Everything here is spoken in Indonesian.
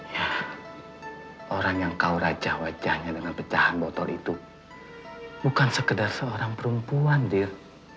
ya orang yang kau rajanya dengan pecahan botol itu bukan sekedar seorang perempuan dear